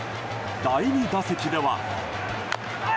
第２打席では。